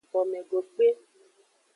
Gomedokpe.